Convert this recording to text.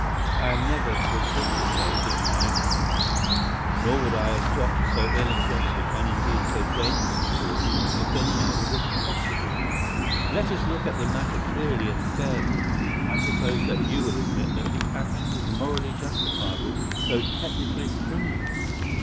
I am never precipitate in my actions, nor would I adopt so energetic and indeed so dangerous a course if any other were possible. Let us look at the matter clearly and fairly. I suppose that you will admit that the action is morally justifiable, though technically criminal.